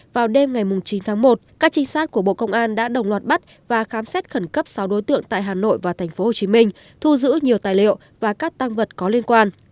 vào đêm ngày chín tháng một các trinh sát của bộ công an đã đồng loạt bắt và khám xét khẩn cấp sáu đối tượng tại hà nội và tp hcm thu giữ nhiều tài liệu và các tăng vật có liên quan